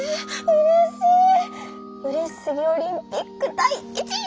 うれしすぎオリンピック第１位！